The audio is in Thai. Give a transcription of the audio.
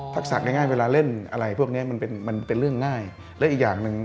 ทักษะง่ายเวลาเล่นอะไรพวกเนี้ยมันเป็นมันเป็นเรื่องง่ายและอีกอย่างหนึ่ง